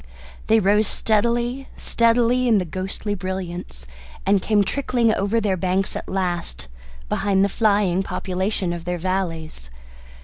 They rose steadily, steadily in the ghostly brilliance, and came trickling over their banks at last, behind the flying population of their valleys.